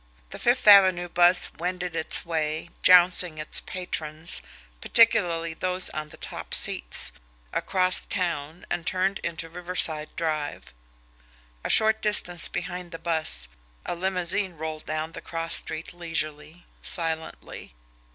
The Fifth Avenue bus wended its way, jouncing its patrons, particularly those on the top seats, across town, and turned into Riverside Drive. A short distance behind the bus, a limousine rolled down the cross street leisurely, silently.